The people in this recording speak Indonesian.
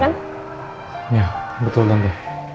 iya betul danti